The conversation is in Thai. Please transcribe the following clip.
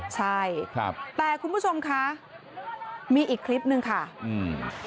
ใช่ครับแต่คุณผู้ชมคะมีอีกคลิปหนึ่งค่ะอืม